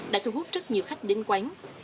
đã thu hút rất nhiều khách đến quán